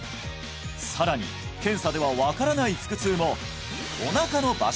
さらに検査では分からない腹痛も！